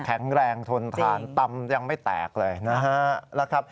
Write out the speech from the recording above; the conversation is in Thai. แข็งแรงทนทานตำยังไม่แตกเลยนะฮะ